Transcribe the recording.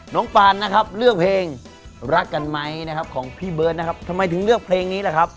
ปานนะครับเลือกเพลงรักกันไหมนะครับของพี่เบิร์ตนะครับทำไมถึงเลือกเพลงนี้ล่ะครับ